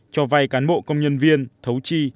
cho vay cán bộ công nhân viên thấu chi